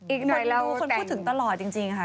อีกหน่อยแล้วแต่งมันดูคนพูดถึงตลอดจริงคะ